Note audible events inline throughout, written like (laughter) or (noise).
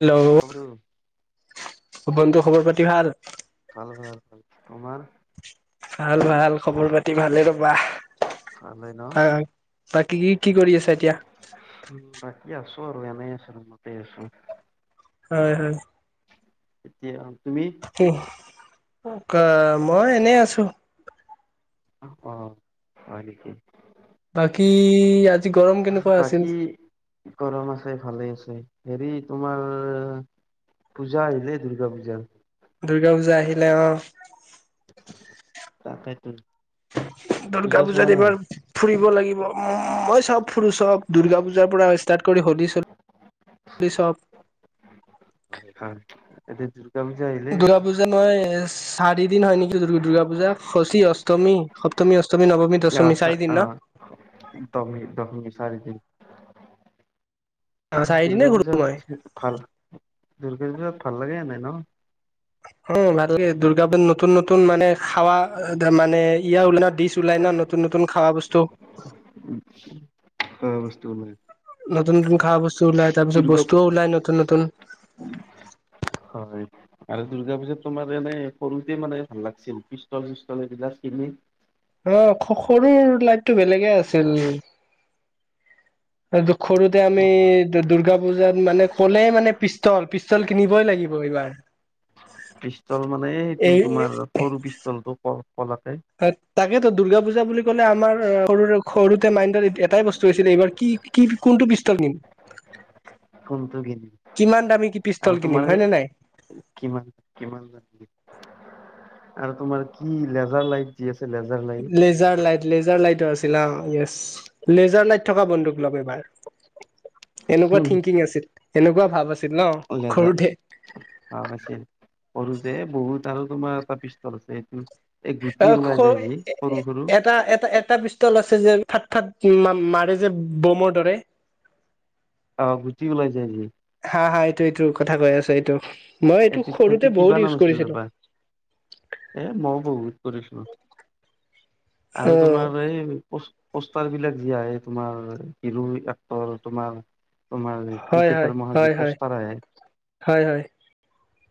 Hello! (unintelligible) ভুখন টো খবৰ পাতি ভাল? ভাল, ভাল, ভাল। তোমাৰ? ভাল, ভাল। খবৰ পাতি ভালে ৰ'বা। ভালে ন ভাল! বাকী ই কি কৰি আছা এতিয়া? বাকী আছোঁ আৰু এনে আছোঁ ৰোমতে আছোঁ। হয়, হয়। এতিয়া, তুমি? কি? (unintelligible) মই এনেই আছোঁ। অ', হয় নেকি? বাকী, আজি গৰম কেনেকুৱা বাকী আছিল? গৰম আছে ভালে আছে, হেৰি তোমাৰ পূজা আহিলে দুৰ্গা পূজা। দুৰ্গা পূজা আহিলে অহ। তাকেইতো পূজা দুৰ্গা চোৱা পূজাত নাই এইবাৰ ফুৰিব লাগিব, মই চব ফুৰো চব দুৰ্গা পূজাৰ পৰা ষ্টাৰ্ট কৰি হলি চলি চলি সব। হয় এতিয়া দুৰ্গা পূজা আহিলে দুৰ্গা পূজা নই চাৰি দিন হয় নেকি দুৰ্গা পূজা, খচী, অষ্টমী, সপ্তমী, অষ্টমী, নৱমী অঁ দশমী চা চাৰিদিন অঁ ন সপ্তমী, দশমী চাৰিদিন। চাৰিদিনে দুৰ্গা ঘূৰো মই পূজাত ভাল, দূৰ্গা পূজাত ভাল লাগে এনেই ন? অ', ভাল লাগে দূৰ্গা পূজাত নতুন নতুন মানে খাৱা মানে ইয়া ওলাই না ডিচ ওলাই না নতু নতুন নতন খাৱা বস্তু। (unintelligible) খোৱা বস্তু উলাই। নতুন নতুন খা বস্তু ওলাই, তাৰপিছত বস্তুও ওলাই নতুন নতুন। হয়। আৰু দুৰ্গা পূজাত তোমাৰ এনে সৰুতে মানে ভাল লাগিছিল, পিষ্টল চিষ্টল সেইবিলাক কিনি। অঁ সৰুৰ লাইফটো বেলেগে আছিল। সৰুতে আমি দুৰ্গা পূজাত মানে কলেই মানে পিষ্টল পিচ পিষ্টল মানে এই সেইটো তোমাৰ সৰু পিষ্টলটো। (inaudible) তাকেতো দুৰ্গা পুজা বুলি ক'লে আমাৰ সৰু সৰুতে মাইন্ডত এটাই বস্তু হৈছিলে এইবাৰ কি কি কোনটো পিষ্টল নিম। কোনটো কিনিম কিমান দামী কি আৰু পিষ্টল তোমাৰ কিনিম, সেই হয় নে নাই? কিমান কিমান (inaudible) আৰু তোমাৰ কি লেজাৰ লাইট যি আছে laser light. Laser light laser লাইটৰ আছিল অঁ য়েছ লেজাৰ লাইট থকা বন্দুক লম এবাৰ। এনেকুৱা থিংকিং আছিল, এনেকুৱা ভাৱ আছ অঁ লেজাৰ ভাব আছিল, সৰুতে বহুত আৰু তোমাৰ এটা পিষ্টল আছে এইটো এই গুটি অ ওলাই ক্ষয় যায় যি এ সৰু এ সৰু এটা এটা এটা পিচ ষ্টল আছে যে থাত থাত মা মাৰে যে বমৰ দৰে। অ', গুটি ওলাই যায় যি। হা, হা এইটো এইটো কথা কৈ আছে এইটো মই এইটো সৰুতে সেইটো কিবা বহুত নাম ইউজ আছিল কৰিছিলো। ৰবা এ মইও বহুত কৰিছিলোঁ, অ আৰু তোমাৰ এই পচ পষ্টাৰ বিলাক যি আহে তোমাৰ হিৰো এক্টৰ তোমাৰ তোমাৰ হয় হয় ক্ৰিকেটাৰ মখা হয় যে হয় পোষ্টাৰ আহে হয়, হয়।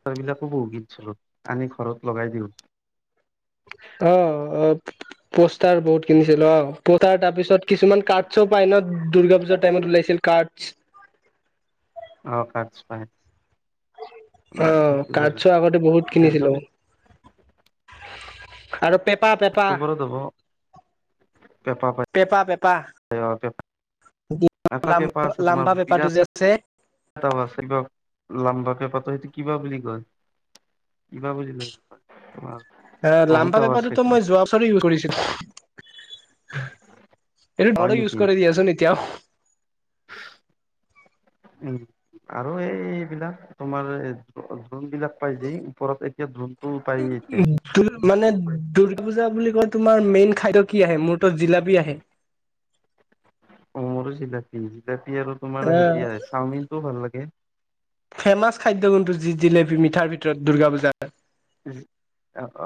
সেইবিলাকো বহুত কিনিছিলোঁ, আনি ঘৰত লগাই দিওঁ। অ', অ পোষ্টাৰ বহুত কিনিছিলো অ, পষ্টাৰ তাৰপিছত কিছুমান কাৰ্ডচ পায় ন দুৰ্গা পূজাৰ টাইমত ওলাইছিল কাৰ্ডচ। অ কাৰ্ডচ পায়। অঁহ কাৰ্ডছো আগতে বহুত দুৰ্গা কিনিছিলো। পূজা আৰু পেপা পেপা অক্টোবৰত হ'ব পেপা পেপা পেপা। পাই পেঁপা এটা পেপা (unintelligible) আছে তোমাৰ লাম্বা পেপাটো বিৰাট যে আছে। এটা ৱাছ চেন্টাৰ, লাম্বাকে পাতে, সেইটো কিবা বুলি কয়। কিবা বুজিলে। এ, লাম্বাকে পাতে ত এইটো মই যোৱা তাতে ইউজ কৰিছিলোঁ। এইটোৰ হয় দৰে ইউজ নেকি কৰে দিয়াচোন এতিয়াও (unintelligible) উম। আৰু এই, এইবিলাক তোমাৰ দ্ৰো, দ্ৰোণবিলাক পায় যি ওপৰত এতিয়া দ্ৰোণ (unintelligible) দুৰ মানে, দুৰ্গা পূজা বুলি ক'লে, তোমাৰ মেইন খাদ্য কি আহে? মোৰতো জিলাপী আহে। অ', মোৰো জিলাপী। জিলাপী আৰু তোমাৰ অ হেৰি আহে চাওমিনটোও ভাল লাগে। ফেমাচ খাদ্য কোনটো? জি- জিলাপী মিঠাৰ ভিতৰত দুৰ্গা পূজাত।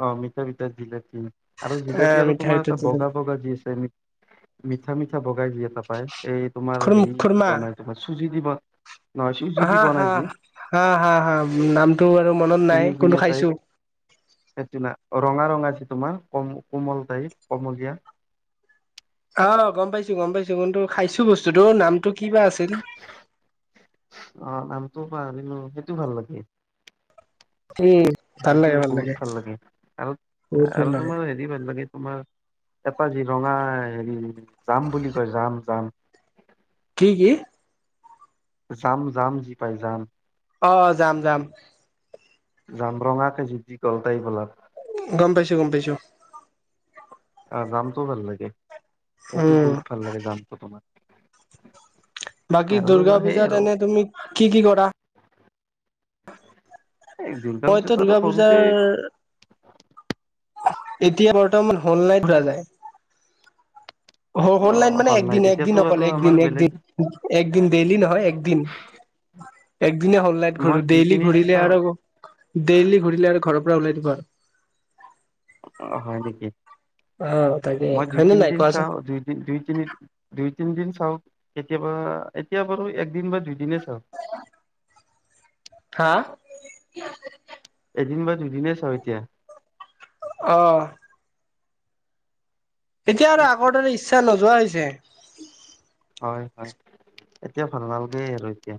অ', মিঠা- বিতা দিলে কমি। আৰু জিলাপী আহ আৰু মিঠাৰ তোমাৰ এটা ভিতৰত জিলেপি। বগা, বগা যি আছে মিঠা, মিঠা বগা যি এটা পায়। এই তোমাৰ, খুৰ হেৰি দি খুৰমা বনাই, তোমাৰ চুজি দি বন নহয় চুজি আৰু, দি বনাই আৰু, যি হা, হা, হা। নামটো বাৰু মনত তিনি নাই, গুণীয়া কিন্তু টাইপ খাইছোঁ। সেইটো না ৰঙা, ৰঙা যে তোমাৰ ক- কোমল টাইপ কুমলীয়া। অ' গম পাইছোঁ, গম পাইছোঁ। কিন্তু খাইছোঁ বস্তুটো, নামটো কি বা আছিল। অ' নামটো পাহৰিলো, সেইটো ভাল লাগে। (unintelligible) সেইবিধ বহুত ভাল লাগে। আৰু, বহুত ভাল আৰু লাগে তোমাৰ (unintelligible) তোমাৰ এপাহ যি ৰঙা হেৰি, জাম বুলি কয়, জাম, জাম। কি, কি? জাম, জাম যি পায় জাম। অ' জাম, জাম। জাম, ৰঙা খেজুৰ (unintelligible) গম পাইছোঁ, গম পাইছোঁ। আহ, জামটোও ভাল লাগে, সেইটো উম বহুত ভাল লাগে। জামটো তোমাৰ বাকী আৰু দূৰ্গা তোমাৰ সেই পূজাত আৰু এনে তুমি কি, কি কৰা? এই দুৰ্গা মইটো পূজাত আৰু দুৰ্গা সৰুতে পূজাৰ এতিয়া, বৰ্তমান হল নাইট ধৰা যায়। অ হ-হল নাইট মানে হল নাই একদিন, একদিন এতিয়াতো অকল, আৰু একদিন, আমাৰ বেলেগ একদিন, একদিন। ডেইলি নহয় একদিন। একদিনে হ'ল নাইট মই ঘূৰো, দুই ডেইলি তিনিদিন ঘূৰিলে চাওঁ আৰু ডেইলি ঘূৰিলে আৰু ঘৰৰ পৰা ওলাই দিব আৰু। অ' হয় নেকি। অ তাকে মই দুই, হয়নে নাই তিনদিন কোৱাচোন চাওঁ দুই দুই, তিনি। দুই, তিনিদিন চাওঁ। কেতিয়াবা, এতিয়া বাৰু একদিন বা দুইদিনেই চাওঁ। হা। এদিন বা দুদিনে চাওঁ এতিয়া। অ', এতিয়া আৰু আগৰ দৰে ইচ্ছা নোযোৱা হৈছে। হয়, হয়। এতিয়া ভাল নালাগে আৰু এতিয়া।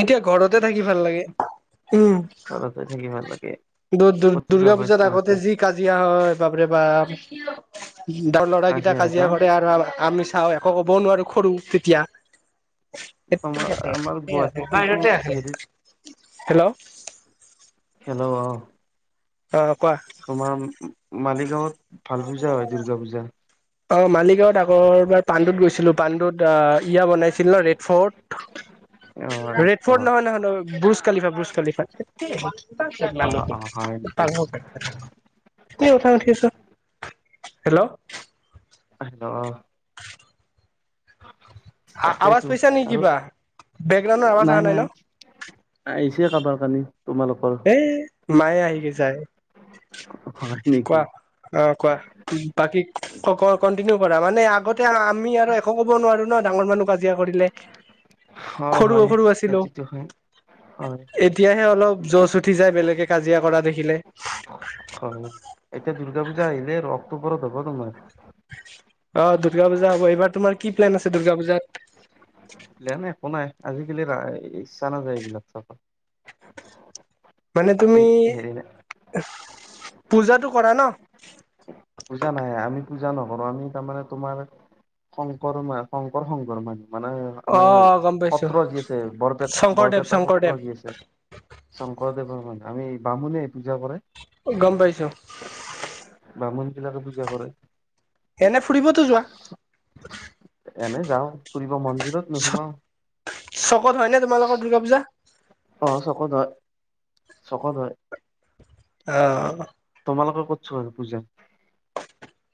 এতিয়া ঘৰতে থাকি ভাল লাগে। উম, ঘৰতে থাকি ভাল লাগে দূ-দূৰ- ক'তো দুৰ্গা যাব পূজাত ইচ্ছা আগতে নাযায় যি কাজিয়া হয়, বাপৰে বাপ। ডাঙৰ ল'ৰা কেইটা হয় ন কাজিয়া কৰে আৰু আমি চূপ থাকো আমি একো ক'বও নোৱাৰো, সৰু তেতিয়া তোমাৰ আমাৰ গুৱাহাটীত কিন্তু বাহিৰতে আছে। হেৰিত হেল্ল' খেলো অ'। অ', কোৱা। তোমাৰ মালিগাঁৱত ভাল পূজা হয় দুৰ্গা পূজা। অ', মালিগাঁৱত আগৰ এবাৰ পাণ্ডুত গৈছিলো পাণ্ডুত ইয়া বনাইছিল ন ৰেড ফৰ্ট। অ হয়। ৰেড ফৰ্ড নহয় নহয় ন বুজ খালিফা বুজ খালিফা। অ অ হয় নেকি (inaudible) হেল্ল'। হেল্ল'। (inaudible) আৱাজ তাকেইতো পাইছা নেকি আৰু কিবা বেকগ্ৰাউণ্ডৰ আৱাজ অহা নাই ন নাই। আহিছে কাৰোবাৰ কালি তোমালোক এ মায়ে আহিয়ে যায় হয় নেকি কোৱা অ' কোৱা। বাকী কণ্টিনিউ কৰা মানে আগতে আমি আৰু একো ক'ব নোৱাৰো ন ডাঙৰ মানুহ কাজিয়া কৰিলে। অ সৰু হয় সৰু আছিলো। সেইটোতো হয় হয় হয় এতিয়াহে অলপ চুঠি যায় বেলেগে কাজিয়া কৰা দেখিলে। হয়, এতিয়া দুৰ্গা পূজা আহিলে আৰু অক্টোবৰত হ'ব তোমাৰ। অ', দুৰ্গা পূজা হ'ব এইবাৰ তোমাৰ প্লেন আছে দুৰ্গা পূজাত? প্লেন একো নাই আজিকালি ইচ্ছা নাযায় এইবিলাক চাব। মানে তুমি এই হেৰি নাই পূজাটো কৰা ন? পূজা নাহে আমি পূজা নকৰো আমি তাৰমানে তোমাৰ শংকৰ মা শংকৰ সংঘৰ মানুহ মানে অ আমাৰ গম পাইছো সত্ৰ যি আছে বৰপেট শংকৰদেৱ বৰপেটা শংকৰদেৱ সত্ৰ যি আছে। শংকৰদেৱৰ মানে আমি বামুণে পূজা কৰে। গম পাইছো। ব্ৰাহ্মণবিলাকে পূজা কৰে। এনে ফুৰিবতো যোৱা? এনে যাওঁ ফুৰিব মন্দিৰত নোসোমাও। চকত হয় নে তোমালোকৰ দুৰ্গা পূজা? অ', চকত হয় চকত হয়। অ'। তোমালোকে ক'ত ছোৱা আৰু পূজা?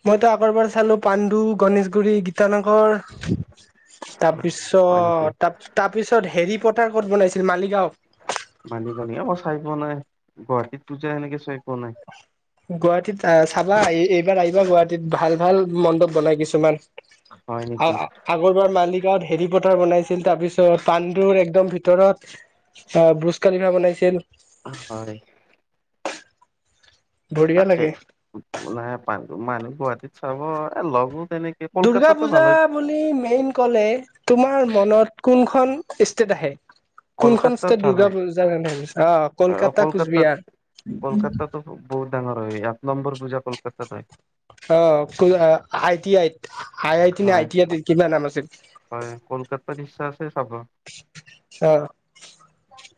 মইতো আগৰবাৰ চালো পাণ্ডু, গণেশগুৰি, গীতানগৰ। অ হয় নেকি তাৰপিছত তাপ-তাৰ পিছত হেৰি প'টাৰ ক'ত বনাইছিল মালিগাঁও। (unintelligible) মই চাই পোৱা নাই গুৱাহাটীত পূজা সেনেকে চাই পোৱা নাই। গুৱাহাটীত আহ চাবা আহি এইবাৰ আহিবা গুৱাহাটীত ভাল ভাল মণ্ডপ বনাই কিছুমান। হয় নেকি (inaudible) আগৰবাৰ মালিগাঁত হেৰি প'টাৰ বনাইছিল তাৰপিছত পাণ্ডুৰ একদম ভিতৰত অ', ব্ৰুজ খালিফা বনাইছিল। অ', হয়। বঢ়িয়া তাতে লাগে নে পাণ্ডু মানুহ গুৱাহাটীত চাব এ লগো তেনেকে দুৰ্গা কলকাতাতো পূজা ভাল হয় বুলি মেইন ক'লে তোমাৰ মনত কোনখন ষ্টেট আহে? কোনখন কলকাতাত ষ্টেট ভাল দুৰ্গা হয় পূজা আহ অ কলকাতা কলকাতাত কোচবিহাৰ! কলকাতাতো বহুত ডাঙৰ হয় এক নম্বৰ পূজা কলকাত হয়। অ', কো আই টি আইত। আই আই হয় টি হয় কলকাতাত ইচ্ছা আছে চাব (unintelligible) অ'।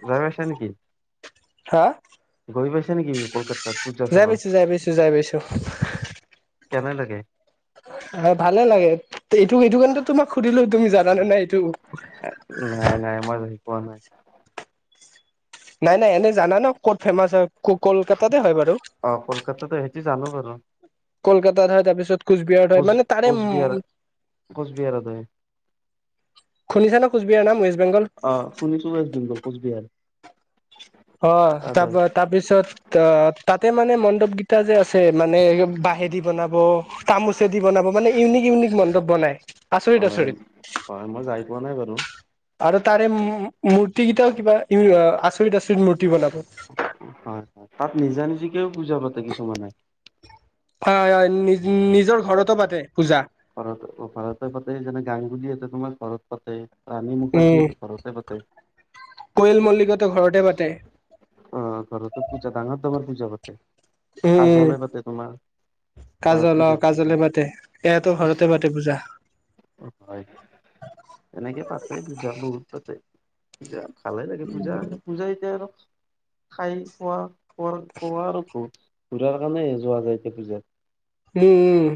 যাব আছে নেকি? হা? গৈ পাইছে নিকি কলকাত যাই পাইছো যাই পাইছো যাই পাইছো। কেনে লাগে? অ' ভালে লাগে এইটো এইটো কাৰণেইটো তোমাক সুধিলো তুমি জানানে নাই এইটো। নাই নাই মই যাই পোৱা নাই। নাই নাই এনেই জানা ন', ক'ত ফেমাচ হয় ক কলকাতাতে হয় বাৰু। অ' কলকতাতে সেইটো জানো বাৰু। কলকাতাত হয় তাৰ পিছত কোচবিহাৰত হয় কোচ মানে তাৰে কোচবিহাৰ ম কোচবিহাৰত হয়। শুনিছানে কোচবিহাৰ নাম ৱেষ্ট বেংগল। অ' শুনিছো ৱেষ্ট বেংগল কোচবিহাৰ। অ' তাত হয় তাৰপা তাৰপিছত ত' তাতে মানে মণ্ডপ কিটা যে আছে মানে বাঁহেদি বনাব। তামোচেদি বনাব মানে ইউনিক ইউনিক মণ্ডপ বনাই আচৰিত হয় আচৰিত। হয় মই যাই পোৱা নাই বাৰু। আৰু তাৰে মূ-মূৰ্তি কেইটাও কিবা ই আচৰিত আচৰিত মূৰ্তি বনাব। হয় হয় তাত নিজা-নিজিকেও পুজা পাতে কিছুমানে। হয় হয় হয় নি-নিজৰ ঘৰতো পাতে পূজা। ঘৰত ঘৰতে পাতে যেনে গাংগুলিয়ে তোমাৰ ঘৰত পাতে। ৰাণী মুখাৰ্জীয়ে ঘৰতে পাতে। কয়েল মল্লিকহতেও ঘৰতে পাতে। উম, ঘৰতে পূজা ডাঙৰ ডাঙৰ পূজা পাতে। উম, কাজলে পাতে তোমাৰ ঘৰত কাজল পূজা অ' কাজলে পাতে সিহত ঘৰতে পাতে। তে পূজা। হয় তেনেকে পাতে পূজা বহুত পাতে। পূজা ভালে লাগে পূজা। পূজা এতিয়া আৰু খাই খোৱা কোৱা কোৱা আৰু ঘূৰাৰ কাৰণে যোৱা যায় এতিয়া পূজাত। উম উম।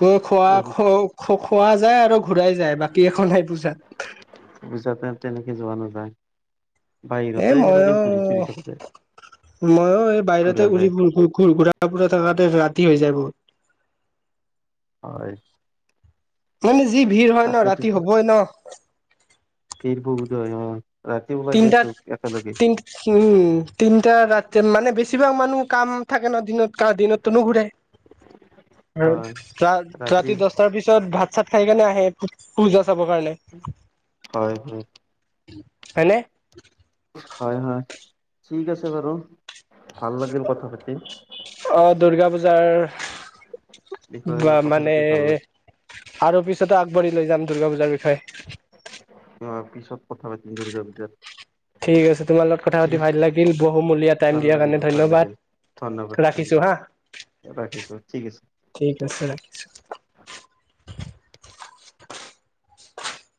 কৈ খোৱা এই খ খোৱা যায় আৰু ঘূৰাই যায় বাকী একো নাই পূজাত। পূজাত এ তেনেকে যোৱা নাযায়। এ বাহিৰতে মই এনেকে ও ঘূৰি চুৰি থকা যায় মইও এই ঘূৰা বাহিৰতে যায় ঘূৰি। (unintelligible) ঘূৰা-ফুৰা থাকাতে ৰাতি হৈ যায় বহুত। হয় মানে যি ভিৰ হয় ন তাকেতো ৰাতি হবই ন। ভীৰ বহুত হয়, অ ৰাতি ওলাই তিনটা যাই চব একেলগে। তিন উম তিনটা ৰাতি মানে বেছিভাগ মানুহ কাম থাকে ন দিনত দিনততো নোঘূৰে। (inaudible) আৰু হয় ৰাতি ৰা-ৰাতি দহটাৰ পিছত ভাত চাত খাই কেনে আহে পূ-পূজা চাবৰ কাৰণে। হয় হয়। হয়নে? হয় হয়, ঠিক আছে বাৰু ভাল লাগিল কথা পাতি। অ' দুৰ্গা পূজাৰ বিষয়ে বা কথা মানে পাতি ভাল লাগিল আৰু পিছত আগবাঢ়ি লৈ যাম দুৰ্গা পূজাৰ বিষয় অ', পিছত কথা পাতিম দুৰ্গা পূজাত ঠিক আছে তোমাৰ লগত কথা ঠিক পাতি আছে ভাল ঠিক লাগিল বহুমূলীয়া ভাল টাইম দিয়াৰ লাগিব কাৰণে ভাল লাগিল ধন্যবাদ। ধন্যবাদ ৰাখিছো হা ধন্যবাদ ৰাখিছোঁ ঠিক আছে। ঠিক আছে ৰাখিছোঁ।